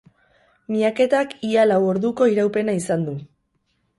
Miaketak ia lau orduko iraupena izan du.